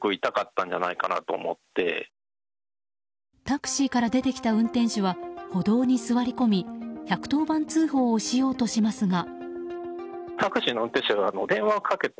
タクシーから出てきた運転手は歩道に座り込み１１０番通報をしようとしますが。